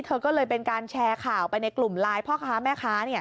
เธอก็เลยเป็นการแชร์ข่าวไปในกลุ่มไลน์พ่อค้าแม่ค้า